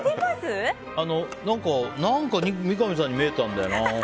何か、三上さんに見えたんだよな。